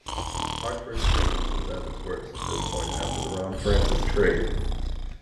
Hartford attendance was at its worst at this point after the Ron Francis trade.